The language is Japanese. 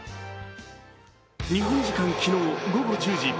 日本時間昨日午後１０時。